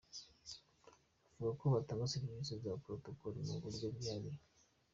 Bavuga ko batanga serivisi za Protocol mu buryo bwihariye.